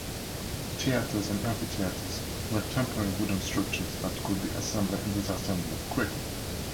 Theatres and amphitheatres were temporary wooden structures that could be assembled and disassembled quickly.